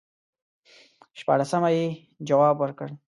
شپاړسمه یې جواب ورکړ.